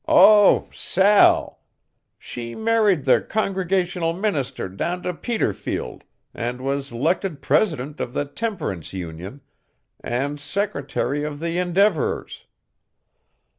"Oh, Sal; she married the Congregational minister down to Peterfield, and was 'lected president of the Temperance Union and secretary of the Endeavorers.